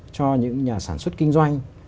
cho những nhà sản xuất kinh doanh